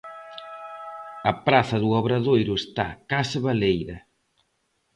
A praza do Obradoiro está case baleira.